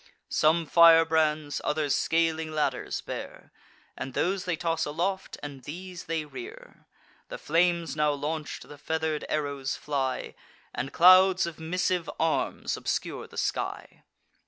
Some firebrands, others scaling ladders bear, And those they toss aloft, and these they rear: The flames now launch'd, the feather'd arrows fly, And clouds of missive arms obscure the sky.